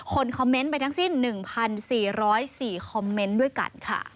คอมเมนต์ไปทั้งสิ้น๑๔๐๔คอมเมนต์ด้วยกันค่ะ